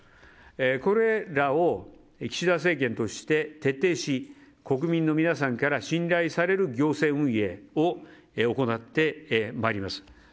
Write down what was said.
これらを岸田政権として徹底し国民の皆さんから信頼される行政運営を行ってまいります。